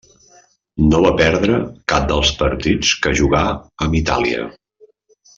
No va perdre cap dels partits que jugà amb Itàlia.